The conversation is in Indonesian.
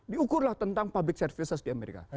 diukurlah tentang public services di amerika